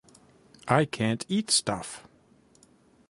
I can't eat stuff!